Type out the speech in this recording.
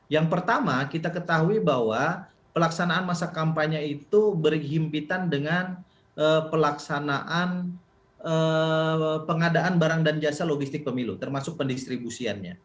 yang pertama kita ketahui bahwa pelaksanaan masa kampanye itu berhimpitan dengan pelaksanaan pengadaan barang dan jasa logistik pemilu termasuk pendistribusiannya